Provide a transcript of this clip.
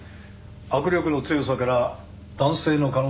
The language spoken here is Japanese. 握力の強さから男性の可能性が高い。